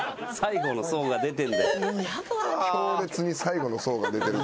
強烈に最後の相が出てる。